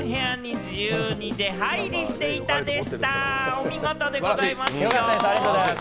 お見事でございますよ。